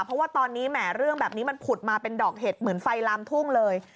เพราะว่าตอนนี้แหมเรื่องแบบนี้มันผุดมาเป็นดอกเห็ดเหมือนไฟลามทุ่งเลย